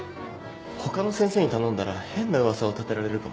他の先生に頼んだら変な噂を立てられるかも。